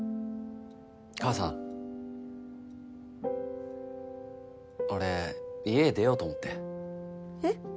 母さん俺家出ようと思ってえっ？